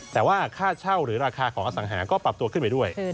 แต่ว่าค่าเช่าหรือราคาของอสังหาก็ปรับตัวขึ้นไปด้วย